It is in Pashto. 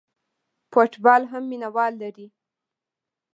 فوټبال هم مینه وال لري.